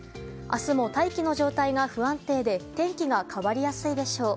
明日も大気の状態が不安定で天気が変わりやすいでしょう。